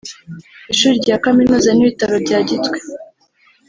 ishuri rya kaminuza n’ibitaro bya Gitwe